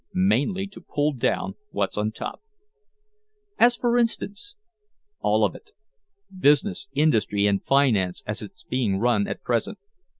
"Mainly to pull down what's on top." "As for instance?" "All of it. Business, industry and finance as it's being run at present."